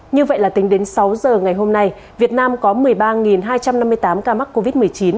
như vậy là tính đến sáu giờ ngày hôm nay việt nam có một mươi ba hai trăm năm mươi tám ca mắc covid một mươi chín